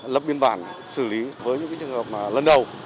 lập biên bản xử lý với những cái trường hợp mà lần đầu